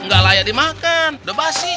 nggak layak dimakan udah basi